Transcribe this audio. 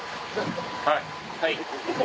はい。